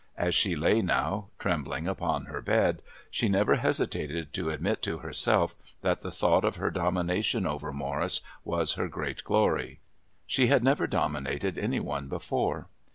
As she lay now, trembling, upon her bed, she never hesitated to admit to herself that the thought of her domination over Morris was her great glory. She had never dominated any one before.